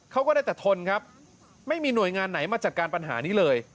ก็ได้แต่ทนครับไม่มีหน่วยงานไหนมาจัดการปัญหานี้เลย